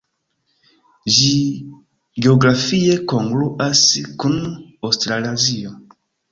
Ĝi geografie kongruas kun Aŭstralazio.